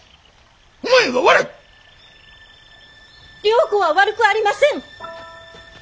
良子は悪くありません！